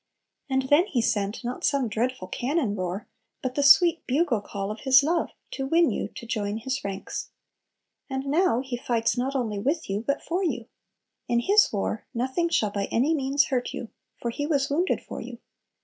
And then He sent not some dreadful cannon roar, but the sweet bugle call of His love to win you to join His ranks. And now He fights not only with you, but for you. In His war "nothing shall by any means hurt you," for "He was wounded" for you.